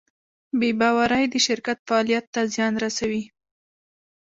بېباورۍ د شرکت فعالیت ته زیان رسوي.